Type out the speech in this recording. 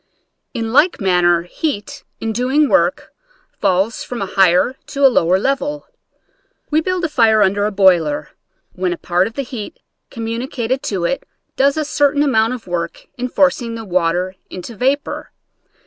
In like manner heat, in doing work, falls from a higher to a lower level. We build a fire under a boiler, when a part of the heat communicated to it does a certain amount of work in forcing the water into vapor.